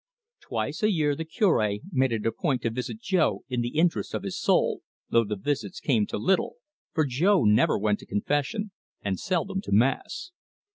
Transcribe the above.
Twice a year the Cure made it a point to visit Jo in the interests of his soul, though the visits came to little, for Jo never went to confession, and seldom to mass.